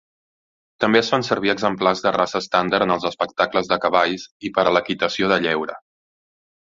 També es fan servir exemplars de raça estàndard en els espectacles de cavalls i per a l'equitació de lleure.